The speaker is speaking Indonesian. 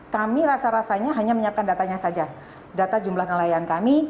kami hanya menyiapkan data jumlah nelayan kami